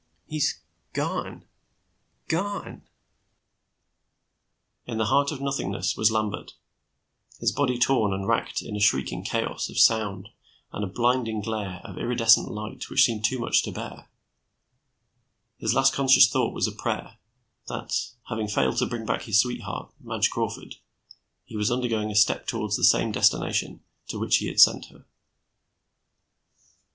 "He's gone gone " In the heart of nothingness was Lambert, his body torn and racked in a shrieking chaos of sound and a blinding glare of iridescent light which seemed too much to bear. His last conscious thought was a prayer, that, having failed to bring back his sweetheart, Madge Crawford, he was undergoing a step toward the same destination to which he had sent her.